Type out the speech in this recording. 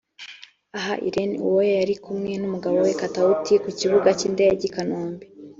Aha Irene Uwoya yari kumwe n'umugabo we Katauti ku kibuga cy'indege i Kanombe